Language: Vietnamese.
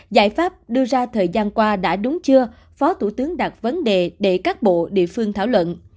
giải pháp đưa ra thời gian qua đã đúng chưa phó thủ tướng đặt vấn đề để các bộ địa phương thảo luận